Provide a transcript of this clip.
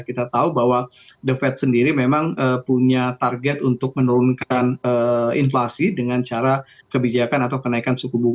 kita tahu bahwa the fed sendiri memang punya target untuk menurunkan inflasi dengan cara kebijakan atau kenaikan suku bunga